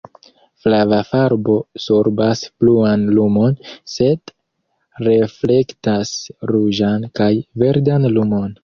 Flava farbo sorbas bluan lumon, sed reflektas ruĝan kaj verdan lumon.